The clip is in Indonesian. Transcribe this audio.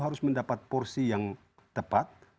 harus mendapat porsi yang tepat